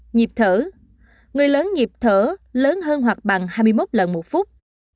hai nhịp thở người lớn nhịp thở lớn hơn hoặc bằng hai mươi một lần một phút